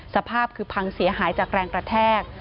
สภาพคือพังเสียหายจากแรงกระแทก